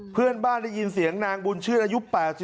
เพื่อนบ้านได้ยินเสียงนางบุญชื่นอายุ๘๒